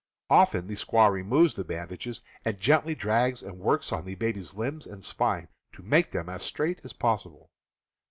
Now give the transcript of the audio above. Often the squaw removes the bandages and gently drags and works on the baby's limbs and spine to make them as straight as possible.